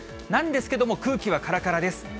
なんですけれども、空気はからからです。